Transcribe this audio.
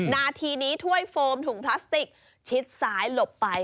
นาทีนี้ถ้วยโฟมถุงพลาสติกชิดซ้ายหลบไป